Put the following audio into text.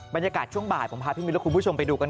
บรรยากาศช่วงบ่ายผมพาพี่มิ้นและคุณผู้ชมไปดูกัน